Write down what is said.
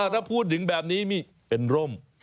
ถ้าพูดถึงแบบนี้นี่เป็นร่ม